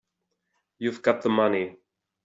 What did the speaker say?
You've got the money.